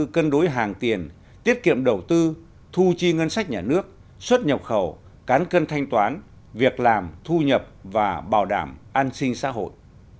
cân đối hàng tiền tiết kiệm đầu tư thu chi ngân sách nhà nước xuất nhập khẩu cán cân thanh toán việc làm thu nhập và bảo đảm an sinh xã hội